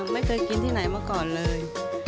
ไม่เคยกินที่ไหนมาก่อนเลย